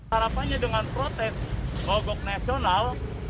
harapannya dengan protes mogok nasional